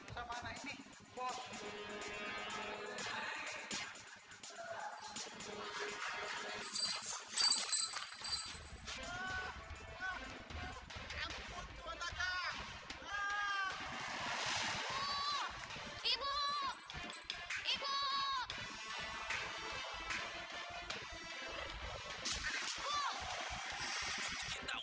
serahkan kerincian itu padaku